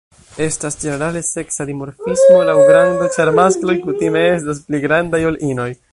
Estas ĝenerale seksa dimorfismo laŭ grando, ĉar maskloj kutime estas pli grandaj ol inoj.